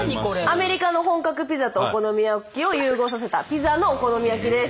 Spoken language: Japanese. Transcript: アメリカの本格ピザとお好み焼きを融合させたピザのお好み焼きです。